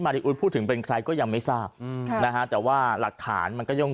ริอุทพูดถึงเป็นใครก็ยังไม่ทราบนะฮะแต่ว่าหลักฐานมันก็ย่อง